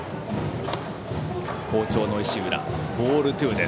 好調の石浦。